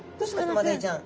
マダイちゃん。